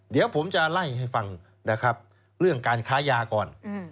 เดี๋ยวผมจะไล่ให้ฟังนะครับเรื่องการค้ายาก่อน